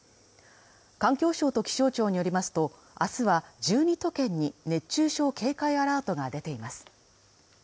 環境省と気象庁によりますと明日は１２都県に熱中症警戒アラートが出ています。